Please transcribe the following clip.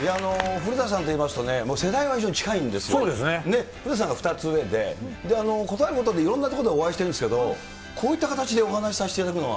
古田さんといいますとね、世代はちょっと近いんですよ、古田さんが２つ上で、ことあるごとにいろんな所でお会いしてるんですけど、こういった形でお話しさせていただくのは。